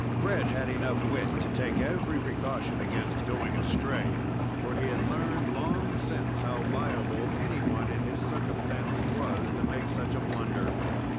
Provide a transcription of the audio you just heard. Fred had enough wit to take every precaution against going astray, for he had learned long since how liable any one in his circumstances was to make such a blunder.